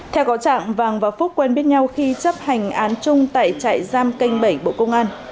theo có trạng vàng và phúc quen biết nhau khi chấp hành án chung tại trại giam kênh bảy bộ công an